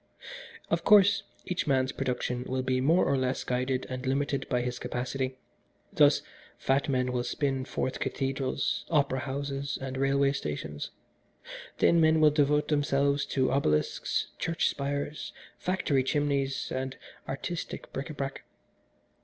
Of course, each man's production will be more or less guided and limited by his capacity. Thus, fat men will spin forth cathedrals, opera houses and railway stations. Thin men will devote themselves to obelisks, church spires, factory chimneys, and artistic bric a brac.